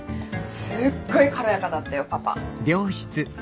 すっごい軽やかだったよパパ。